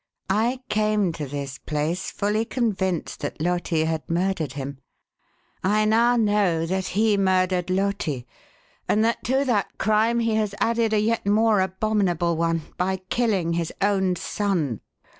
"I came to this place fully convinced that Loti had murdered him; I now know that he murdered Loti, and that to that crime he has added a yet more abominable one by killing his own son!"